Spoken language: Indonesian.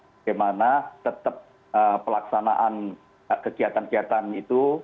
bagaimana tetap pelaksanaan kegiatan kegiatan itu